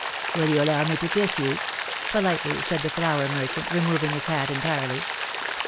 '^Will you allow me to kiss you?'^ politely said the flour merchant, removing his hat entirely.